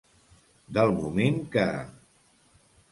Del moment que.